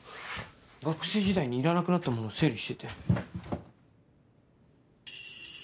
学生時代にいらなくなったものを整理してて。